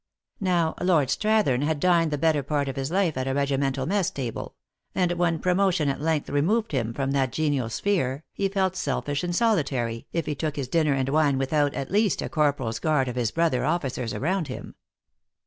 Now, Lord Strathern had dined the better part of his life at a regimental mess table ; and when promotion at length removed him from that genial sphere, he felt seltish and solitary, if he took his dinner and wine without, at least, a corporal s guard of his brother officers around him.